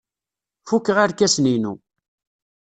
Fukeɣ irkasen-inu.